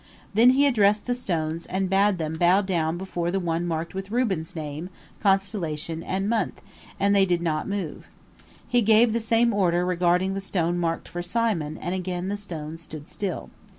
Then he addressed the stones and bade them bow down before the one marked with Reuben's name, constellation, and month, and they did not move. He gave the same order regarding the stone marked for Simon, and again the stones stood still.